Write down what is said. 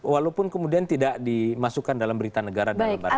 walaupun kemudian tidak dimasukkan dalam berita negara dan lembaran negara